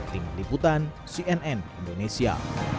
tim liputan cnn indonesia